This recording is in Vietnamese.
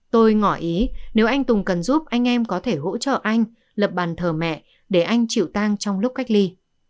tôi ngỏ ý nếu anh tùng cần giúp anh em có thể hỗ trợ anh lập bàn thờ mẹ để anh chịu tan trong lúc cách ly